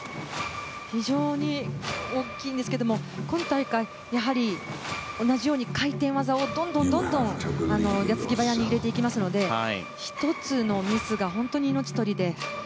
非常に大きいんですけど今大会やはり同じように回転技をどんどん矢継ぎ早に入れていきますので１つのミスが本当に命取りで。